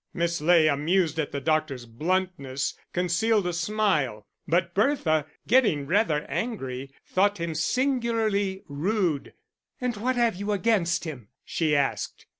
Miss Ley, amused at the doctor's bluntness, concealed a smile; but Bertha, getting rather angry, thought him singularly rude. "And what have you against him?" she asked.